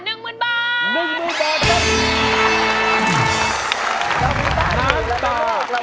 หนึ่งมือบ้านหรือเป็นหนึ่ง